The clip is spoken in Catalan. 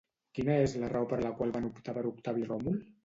Quina és la raó per la qual van optar per Octavi Ròmul?